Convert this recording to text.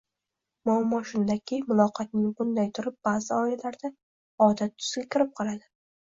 Muammo shundaki, muloqotning bunday turi ba’zi oilalarda odat tusiga kirib qoladi.